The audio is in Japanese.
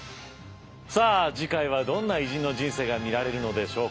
さあ次回はどんな偉人の人生が見られるのでしょうか。